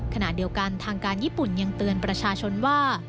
ขณะเดียวกันทางการญี่ปุ่นยังเตือนประชาชนว่า